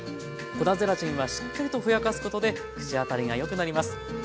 粉ゼラチンはしっかりとふやかすことで口当たりがよくなります。